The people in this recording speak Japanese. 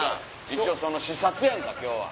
一応その視察やんか今日は。